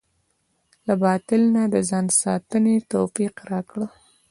له باطل نه د ځان ساتنې توفيق راکړه.